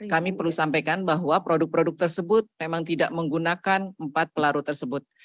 kami perlu sampaikan bahwa produk produk tersebut memang tidak menggunakan empat pelarut tersebut